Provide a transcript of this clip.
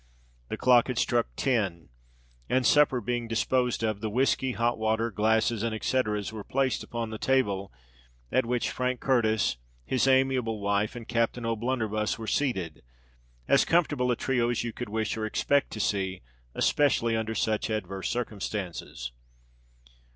The clock had struck ten; and, supper being disposed of, the whiskey, hot water, glasses, and et ceteras were placed upon the table, at which Frank Curtis, his amiable wife, and Captain O'Blunderbuss were seated—as comfortable a trio as you could wish or expect to see, especially under such adverse circumstances.